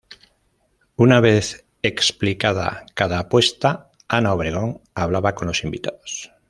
Una vez explicada cada apuesta Ana Obregón hablaba con los invitados.